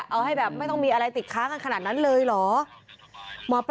เอาให้แบบไม่ต้องมีอะไรติดค้างกันขนาดนั้นเลยเหรอ